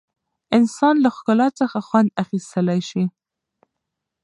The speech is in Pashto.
انسان له ښکلا څخه خوند اخیستلی شي.